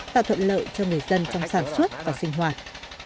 tạo thuận lợi cho người dân trong sản xuất và sinh hoạt